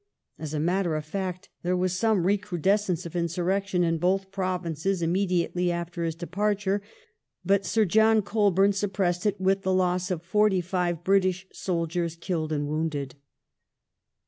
As a matter of fact, there was some recrudescence of insurrection in both Provinces immediately after his departure, but Sir John Colborne suppressed it with the loss of forty five British soldiei s, killed and wounded.